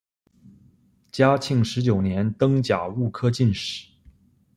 嘉庆十九年登甲戌科进士。